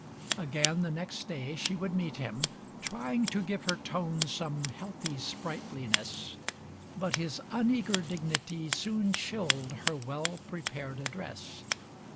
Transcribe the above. Again the next day she would meet him, trying To give her tone some healthy sprightliness, But his uneager dignity soon chilled Her well prepared address.